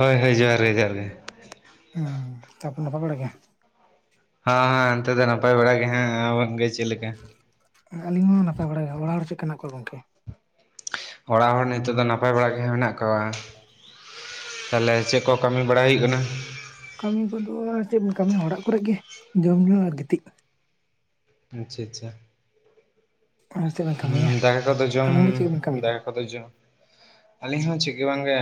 ᱦᱳᱭ ᱦᱳᱭ ᱡᱚᱦᱟᱨ ᱜᱮ ᱡᱚᱦᱟᱨ ᱜᱮ ᱦᱩᱸ ᱛᱟᱯᱚᱨ ᱱᱟᱯᱟᱜ ᱵᱟᱲᱟ ᱜᱮ ᱦᱮᱸ ᱦᱮᱸ ᱚᱱᱛᱮ ᱫᱚ ᱱᱟᱯᱟᱭ ᱵᱟᱲᱟ ᱜᱮ ᱦᱟᱸᱜ ᱟᱢᱜᱮ ᱪᱮᱫ ᱞᱮᱠᱟ ᱟᱹᱞᱤᱧ ᱦᱚᱸ ᱱᱟᱯᱟᱭ ᱵᱟᱲᱟ ᱜᱮ ᱚᱲᱟᱜ ᱦᱚᱲ ᱪᱮᱫᱠᱟ ᱦᱮᱱᱟᱜ ᱠᱚᱣᱟ ᱜᱚᱝᱠᱮ ᱚᱲᱟᱜ ᱦᱚᱲ ᱱᱤᱛᱚᱜ ᱫᱚ ᱱᱟᱯᱟᱭ ᱵᱟᱲᱟᱟᱜ ᱜᱮ ᱢᱮᱱᱟᱜ ᱠᱚᱣᱟ ᱛᱟᱞᱦᱮ ᱪᱮᱫ ᱠᱚ ᱠᱟᱹᱢᱤ ᱵᱟᱲᱟᱟᱭ ᱦᱩᱭᱩᱜ ᱠᱟᱱᱟ ᱠᱟᱹᱢᱤ ᱠᱚᱫᱚ ᱟᱨ ᱪᱮᱫ ᱵᱚᱱ ᱠᱟᱹᱢᱤᱭᱟ ᱚᱲᱟᱜ ᱠᱚᱨᱮ ᱜᱮ ᱡᱚᱢ ᱧᱩ ᱟᱨ ᱜᱤᱛᱤᱡ ᱟᱪᱪᱷᱟ ᱟᱪᱪᱷᱟ ᱟᱨ ᱪᱮᱫ ᱵᱮᱱ ᱠᱟᱹᱢᱤᱭᱟ ᱦᱩᱸ ᱫᱟᱠᱟ ᱠᱚᱫᱚ ᱡᱚᱢ, ᱟᱵᱮᱱ ᱜᱮ ᱪᱮᱫ ᱵᱮᱱ ᱠᱟᱹᱢᱤᱭᱮᱫᱟ ᱫᱟᱠᱟ ᱠᱚᱫᱚ ᱡᱚᱢ ᱟᱹᱞᱤᱧ ᱦᱚᱸ ᱪᱤᱠ ᱜᱮ ᱵᱟᱝᱜᱮ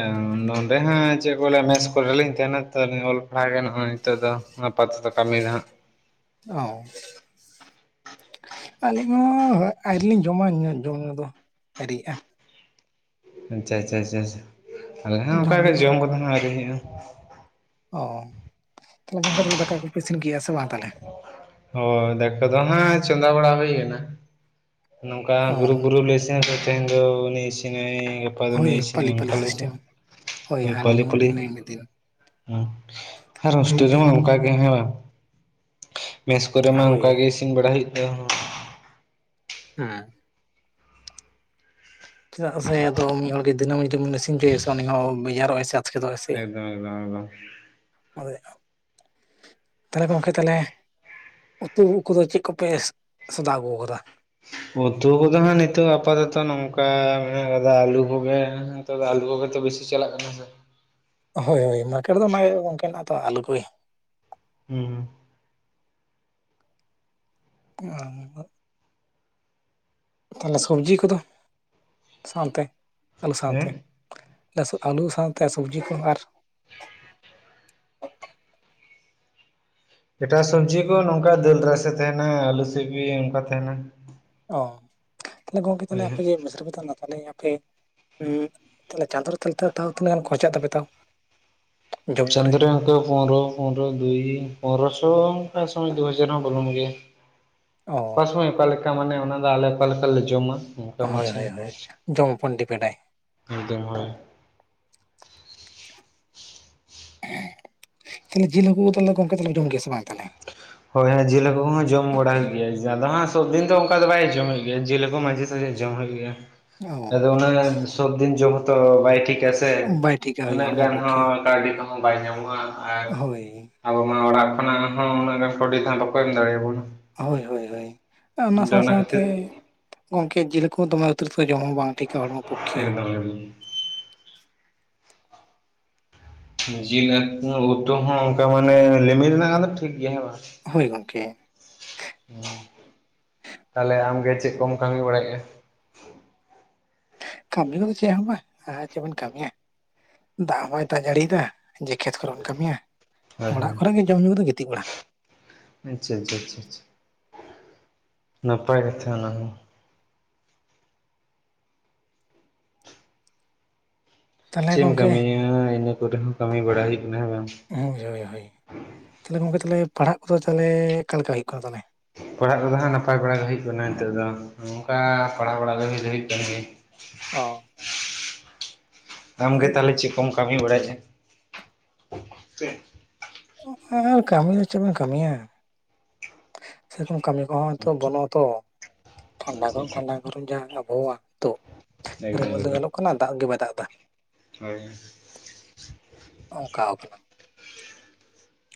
ᱱᱚᱸᱰᱮ ᱦᱚᱸ ᱪᱮᱫ ᱠᱚ ᱵᱚᱞᱮ ᱢᱮ ᱠᱩᱞ ᱨᱮᱞᱤᱧ ᱛᱟᱦᱮᱱᱟ ᱛᱚᱧ ᱚᱞ ᱯᱟᱲᱦᱟᱜ ᱜᱮ ᱱᱚᱜᱼᱚᱭ ᱛᱮ ᱫᱚ ᱟᱯᱟ ᱛᱮᱫᱚ ᱠᱟᱹᱢᱤᱟ ᱫᱟᱜ ᱦᱟᱸᱜ [unintelligible] ᱟᱹᱞᱤᱧ ᱦᱚᱸ ᱟᱹᱣᱨᱤ ᱞᱤᱧ ᱡᱚᱢᱟ ᱡᱚᱢ-ᱧᱩ ᱫᱚ [inaudible] ᱟᱹᱨᱤᱭᱟᱜ-ᱟ ᱾ ᱟᱪᱪᱟ ᱟᱪᱪᱟ ᱟᱪᱟ ᱟᱞᱮ ᱦᱚᱸ ᱚᱱᱠᱟᱜᱮ ᱡᱚᱢ ᱠᱚᱫᱚ ᱦᱟᱸᱜ ᱟᱹᱣᱨᱤ ᱦᱩᱭᱩᱜ-ᱟ᱾ ᱚ ᱛᱟᱦᱚᱞᱮ ᱜᱚᱝᱠᱮ ᱛᱟᱦᱚᱞᱮ ᱫᱟᱠᱟ ᱠᱩᱡᱯᱮ ᱤᱥᱤᱱ ᱠᱮᱫᱟ ᱥᱮ ᱵᱟᱝ ᱛᱟᱦᱚᱞᱮ? ᱦᱚᱭ, ᱫᱟᱠᱟ ᱫᱚ ᱦᱟᱸᱜ ᱪᱚᱸᱫᱟ ᱵᱟᱲᱟ ᱦᱩᱭ ᱭᱮᱱᱟ ᱾ ᱱᱚᱝᱠᱟ ᱚ ᱜᱩᱨᱩᱯ ᱜᱩᱨᱩ ᱞᱮ ᱤᱥᱤᱱᱟᱭ ᱛᱤᱦᱤᱧ ᱫᱚ ᱩᱱᱤ ᱤᱥᱤᱱᱟᱭ ᱜᱟᱯ ᱯᱟ ᱫᱚ ᱦᱳᱭ ᱱᱩᱭ ᱤᱥᱤᱱᱮ ᱯᱟᱞᱤ ᱯᱟᱞᱤ ᱱᱩᱝᱠᱟ ᱞᱮ ᱤᱥᱤᱱ ᱥᱤᱥᱴᱮᱢ ᱦᱳᱭ ᱦᱟᱹᱱᱤ ᱯᱟᱹᱞᱤ ᱢᱤᱫ ᱯᱟᱹᱞᱤ ᱫᱤᱱ ᱱᱩᱭ ᱢᱤᱫ ᱫᱤᱱ [unintelligible] ᱟᱨ ᱢᱤᱫ ᱦᱚᱥᱴᱮᱞ ᱨᱮ ᱫᱤᱱ ᱢᱟ ᱚᱱᱠᱟ ᱜᱤ ᱦᱮᱸ ᱵᱟᱝ? ᱢᱮᱥ ᱠᱚᱨᱮ ᱢᱟ ᱦᱳᱭ ᱚᱱᱠᱟ ᱜᱤ ᱤᱥᱤᱱ ᱵᱟᱲᱟ ᱦᱩᱭᱩᱜ ᱛᱟᱢ ᱦᱟᱸᱜ᱾ ᱦᱮᱸ ᱪᱮᱫᱟᱜ ᱥᱮ ᱟᱫᱚ ᱢᱤᱫ ᱦᱚᱲᱜᱮ ᱫᱤᱱᱟᱹᱢ ᱡᱩᱫᱤ ᱵᱚᱱ ᱤᱥᱤᱱ ᱩᱪᱚᱮᱭᱟ ᱥᱮ ᱩᱱᱤ ᱦᱚᱸ ᱵᱮᱡᱟᱨᱚᱜᱟᱭ ᱥᱮ? ᱮᱠᱫᱚᱢ ᱮᱠᱫᱚᱢ ᱮᱠᱫᱚᱢ ᱦᱚᱭ [inaudible] ᱛᱟᱦᱚᱞᱮ ᱜᱚᱢᱠᱮ ᱛᱟᱦᱚᱞᱮ [inaudible] ᱩᱛᱩ ᱠᱩᱫᱚ ᱪᱮᱫ ᱠᱚᱯᱮ ᱥᱚᱫᱟ ᱟᱹᱜᱩᱣ ᱟᱠᱟᱫᱟ᱾ ᱩᱛᱩ ᱠᱚᱫᱚ ᱦᱟᱸᱜ ᱱᱤᱛᱚᱜ ᱟᱯᱟᱛᱚᱛᱚ ᱱᱚᱝᱠᱟ ᱢᱮᱱᱟᱜ ᱠᱟᱫᱟ ᱟᱞᱩ ᱠᱩᱜᱮ᱾ ᱛᱚᱵᱮ ᱟᱞᱩ ᱠᱚᱜᱮᱛᱚ ᱵᱮᱥᱤ ᱪᱟᱞᱟᱜ ᱠᱟᱱᱟ ᱥᱮ? ᱦᱚᱭ ᱦᱚᱭ ᱢᱟᱨᱠᱮᱴ ᱫᱚ ᱚᱱᱟᱜᱮ ᱜᱚᱝᱠᱮ ᱢᱮᱱᱟᱜ-ᱟ ᱛᱚ ᱟᱞᱩ ᱠᱚᱭ ᱦᱩᱸᱻ ᱟ [unintelligible] ᱛᱟᱦᱚᱞᱮ ᱥᱚᱵᱽᱡᱤ ᱠᱚᱫᱚ ᱥᱟᱶᱛᱮ, ᱟᱹᱞᱩ ᱦᱮᱸ ᱥᱟᱶᱛᱮ, ᱪᱟᱥ ᱟᱹᱞᱩ ᱥᱟᱶᱛᱮ ᱥᱚᱵᱽᱡᱤ ᱠᱚᱦᱚᱸ ᱟᱨ ᱮᱴᱟᱜ ᱥᱚᱵᱽᱡᱤ ᱠᱚ ᱱᱚᱝᱠᱟ ᱫᱟᱹᱞ ᱨᱟᱥᱮ ᱛᱟᱦᱮᱱᱟ ᱟᱹᱞᱩ ᱥᱤᱯᱤ ᱱᱚᱝᱠᱟ ᱛᱟᱦᱮᱱᱟ ᱚ ᱛᱟᱦᱚᱞᱮ ᱜᱚᱝᱠᱮ ᱦᱳᱭ ᱦᱳᱭ ᱟᱯᱮ ᱢᱮᱥᱨᱮᱯᱮ ᱛᱟᱸᱦᱮᱱᱟ ᱟᱯᱮ ᱩᱸ [unintelligible] ᱛᱟᱦᱚᱞᱮ ᱪᱟᱸᱫᱩ ᱨᱮ ᱛᱤᱱᱟᱹᱜ ᱛᱷᱟᱣ ᱛᱤᱱᱟᱹᱜ ᱜᱟᱱ ᱠᱷᱚᱨᱪᱟᱜ ᱛᱟᱯᱮ ᱛᱟᱣ? ᱡᱚᱢ ᱧᱩ ᱪᱟᱸᱫᱩ ᱨᱮ [unintelligible] ᱯᱚᱱᱨᱚ ᱯᱚᱱᱨᱚ ᱫᱩᱭ ᱯᱚᱱᱨᱚ ᱥᱚ ᱚᱠᱟ ᱥᱚᱢᱚᱭ ᱫᱩᱦᱟᱡᱟᱨ ᱦᱚᱸ ᱵᱚᱞᱱ ᱜᱮ᱾ [inaudible] ᱚ [unintelligible] ᱚᱠᱟ ᱞᱮᱠᱟ ᱢᱟᱱᱮ ᱚᱱᱟ ᱫᱚ ᱟᱞᱮ ᱚᱠᱟ ᱞᱮᱠᱟᱞᱮ ᱡᱚᱢᱟ᱾ ᱚᱱᱠᱟ ᱦᱚᱭ ᱢᱟᱪᱷᱟ ᱦᱚᱭ ᱦᱚᱭ ᱡᱚᱢ ᱩᱯᱚᱰ ᱰᱤᱯᱮᱱᱰᱟᱭ᱾ [unintelligible] [unintelligible] ᱛᱟᱦᱚᱞᱮ ᱡᱤᱞ ᱦᱟᱹᱠᱩ ᱛᱟᱦᱚᱞᱮ ᱜᱚᱢᱠᱮ ᱛᱞᱮ ᱡᱚᱢ ᱜᱮᱭᱟ ᱥᱮ ᱵᱟᱝ ᱛᱟᱦᱚᱞᱮ? [inaudible] ᱦᱚᱭ ᱦᱮᱸ ᱡᱤᱞ ᱦᱟᱠᱩ ᱠᱚᱦᱚᱸ ᱡᱚᱢ ᱵᱟᱲᱟᱭ ᱜᱮᱭᱟ ᱡᱟᱫᱟ ᱦᱟᱸᱜ ᱥᱚᱵᱽ ᱫᱤᱱ ᱫᱚ ᱚᱱᱠᱟ ᱫᱚ ᱵᱟᱭ ᱡᱚᱢ ᱮᱫ ᱜᱮᱭᱟ ᱡᱤᱞ ᱦᱟᱠᱩ᱾ [unintelligible] ᱦᱳᱭ ᱡᱚᱢ ᱦᱩᱭᱩᱜ ᱜᱮᱭᱟ, ᱚ ᱟᱫᱚ ᱚᱱᱟ ᱨᱮᱱᱟᱜ ᱥᱚᱵ ᱫᱤᱱ ᱡᱚᱢ ᱦᱚᱸᱛᱚ ᱵᱟᱭ ᱴᱷᱤᱠ ᱦᱮᱥᱮ ᱵᱟᱭ ᱴᱷᱤᱠᱟ [unintelligible] ᱦᱳᱭ ᱩᱱᱟᱹᱜ ᱦᱚᱲᱢᱚ ᱜᱟᱱ ᱯᱚᱠᱠᱷᱮ ᱦᱚᱸ ᱠᱟᱹᱣᱰᱤ ᱠᱚᱦᱚᱸ ᱵᱟᱭ ᱧᱟᱢᱚᱜ-ᱟ ᱟᱨ ᱦᱳᱭ ᱟᱵᱚ ᱢᱟ ᱚᱲᱟᱜ ᱠᱷᱚᱱᱟᱜ ᱦᱚᱸ ᱚᱱᱟᱹᱜ ᱜᱟᱱ ᱠᱟᱹᱣᱰᱤ ᱠᱷᱟᱱ ᱚᱠᱚᱭ ᱮᱢ ᱫᱟᱲᱮ ᱟᱵᱚᱱᱟ᱾ ᱦᱚᱭ ᱦᱚᱭ ᱦᱚᱭ [inaudible] ᱚᱱᱟ ᱥᱟᱶ ᱥᱟᱶ ᱠᱷᱟᱹᱛᱤᱨ ᱛᱮ [inaudible] ᱜᱚᱝᱠᱮ ᱡᱤᱞ ᱠᱚ ᱫᱚᱢᱮ ᱩᱛᱩ [inaudible] ᱡᱚᱢ ᱦᱚᱸ ᱵᱟᱝ ᱴᱷᱤᱠ ᱟ ᱦᱚᱲᱢ ᱯᱚᱠᱠᱷᱮ ᱮᱠᱫᱚᱢ ᱡᱤᱞ ᱦᱟᱠᱩ ᱩᱛᱩ ᱦᱚᱸ ᱚᱱᱠᱟ ᱢᱟᱱᱮ ᱞᱤᱢᱤᱱ ᱨᱮᱱᱟᱜ ᱦᱚ ᱴᱷᱤᱠ ᱜᱮᱭᱟ ᱦᱮᱸ ᱵᱟᱝ? ᱦᱳᱭ ᱜᱚᱝᱠᱮ [inaudible] ᱛᱟᱦᱚᱞᱮ ᱟᱢ ᱜᱮ ᱪᱮᱫ ᱠᱚᱢ ᱠᱟᱹᱢᱤ ᱵᱟᱲᱟᱭᱮᱜᱼᱟ? ᱠᱟᱹᱢᱤ ᱠᱚᱫᱚ ᱪᱮᱫ ᱦᱚᱸ ᱵᱟᱝ ᱟᱨ ᱪᱮᱫ ᱵᱚᱱ ᱠᱟᱹᱢᱤᱭᱟ [inaudible] ᱫᱟᱜ ᱦᱚᱸ ᱵᱟᱭ ᱫᱟᱜ ᱡᱟᱹᱲᱤᱭᱮᱫᱟ᱾ ᱡᱮ ᱠᱷᱮᱛ ᱠᱚᱨᱮ ᱵᱚᱱ ᱠᱟᱹᱢᱤᱭᱟ ᱦᱳᱭ [inaudible] ᱚᱲᱟᱜ ᱠᱚᱨᱮ ᱜᱮ ᱡᱚᱢ ᱧᱩ ᱠᱟᱛᱮ ᱜᱤᱛᱤᱡ ᱵᱟᱲᱟ᱾ ᱟᱪᱪᱷᱟ ᱪᱷᱟ ᱪᱷᱟ, ᱱᱟᱯᱟᱭ ᱠᱟᱛᱷᱟ ᱚᱱᱟ ᱦᱚᱸ᱾ ᱛᱟᱦᱚᱞᱮ ᱪᱮᱫ ᱮᱢ ᱜᱚᱝᱠᱮ ᱠᱟᱹᱢᱤᱭᱟ ᱤᱱᱟᱹ ᱠᱚᱨᱮ ᱦᱚᱸ ᱠᱟᱹᱢᱤ ᱵᱟᱲᱟᱭ ᱦᱩᱭᱩᱜ ᱠᱟᱱᱟ ᱦᱮᱸ ᱵᱟᱝ? ᱦᱳᱭ ᱦᱳᱭ ᱛᱟᱦᱚᱞᱮ ᱜᱚᱢᱠᱮ ᱛᱟᱦᱚᱞᱮ ᱯᱟᱲᱦᱟᱜ ᱠᱚᱫᱚ ᱛᱟᱦᱚᱞᱮ ᱠᱟᱞᱮᱠᱟ ᱦᱩᱭᱩᱜ ᱠᱟᱱᱟ ᱛᱟᱦᱚᱞᱮ? ᱯᱟᱲᱦᱟᱜ ᱠᱚᱫᱚ ᱦᱟᱸᱜ ᱱᱟᱯᱟᱭ ᱵᱟᱲᱟ ᱜᱮ ᱦᱩᱭᱩᱜ ᱠᱟᱱᱟ ᱱᱤᱛᱚᱜ ᱫᱚ᱾ ᱱᱚᱝᱠᱟ ᱯᱟᱲᱦᱟᱣ ᱵᱟᱲᱟ ᱫᱚ ᱦᱩᱭ ᱫᱚ ᱦᱩᱭᱩᱜ ᱠᱟᱱ ᱜᱮᱭᱟᱭ᱾ ᱚ ᱟᱢᱜᱮ ᱦᱳᱭ ᱛᱟᱦᱞᱮ ᱪᱮᱫ ᱠᱚᱢ ᱠᱟᱹᱢᱤ ᱵᱟᱲᱟᱭᱮᱫ-ᱟ ᱟᱨ ᱠᱟᱹᱢᱤ ᱫᱚ ᱪᱮᱫ ᱵᱚᱱ ᱠᱟᱹᱢᱤᱭᱟ ᱥᱮᱨᱚᱠᱚᱢ ᱠᱟᱹᱢᱤ ᱠᱚᱦᱚᱸ ᱱᱤᱛᱚ ᱵᱟᱹᱱᱩᱜᱼᱟ ᱛᱚ ᱴᱷᱟᱱᱰᱟ ᱟᱪᱪᱷᱟ ᱜᱚᱨᱚᱢ ᱟᱪᱪᱷᱟ ᱴᱷᱟᱱᱰᱟ ᱜᱚᱨᱚᱢ ᱡᱟ ᱟᱵᱚᱦᱣᱟ ᱱᱤᱛᱚᱜ ᱮᱠᱫᱚᱢ ᱨᱤᱢᱤᱞ ᱫᱚ ᱮᱠᱫᱚᱢ ᱧᱮᱞᱚᱜ ᱠᱟᱱᱟ ᱫᱟᱜ ᱜᱮ ᱵᱟᱭ ᱫᱟᱜ ᱮᱫᱟ ᱦᱳᱭ ᱚᱝᱠᱟᱣ ᱠᱟᱱᱟ